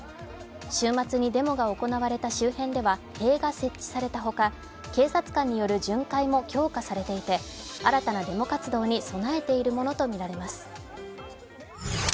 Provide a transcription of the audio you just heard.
週末にデモが行われた周辺では塀が設置されたほか、警察官による巡回も強化されていて新たなデモ活動に備えているものとみられます。